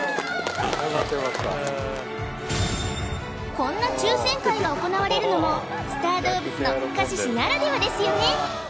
こんな抽選会が行われるのもスター動物のカシシならではですよね